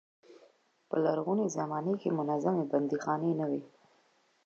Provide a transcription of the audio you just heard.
په لرغونې زمانه کې منظمې بندیخانې نه وې.